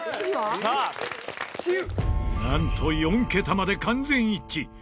なんと、４桁まで完全一致